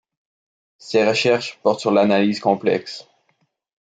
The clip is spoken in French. Ses recherches portent sur l'analyse complexe.